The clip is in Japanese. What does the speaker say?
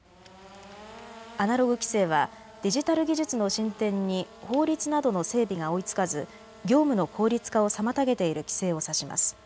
アナログ規制はデジタル技術の進展に法律などの整備が追いつかず業務の効率化を妨げている規制を指します。